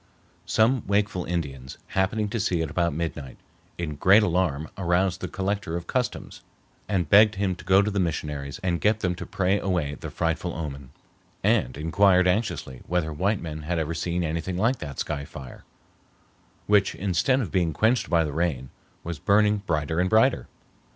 Some wakeful Indians, happening to see it about midnight, in great alarm aroused the Collector of Customs and begged him to go to the missionaries and get them to pray away the frightful omen, and inquired anxiously whether white men had ever seen anything like that sky fire, which instead of being quenched by the rain was burning brighter and brighter.